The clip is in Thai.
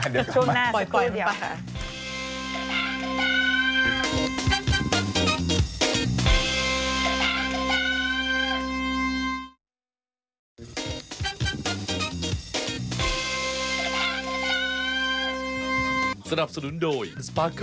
เดี๋ยวกลับมา